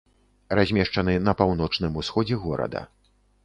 Размешчаны на паўночным усходзе горада.